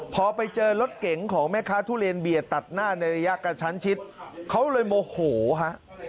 พอไปเจอรถเก๋งของแม่ค้าทุเรียนเบียดตัดหน้าในระยะกระชั้นชิดเขาเลยโมโหฮะ